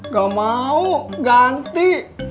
gak mau ganti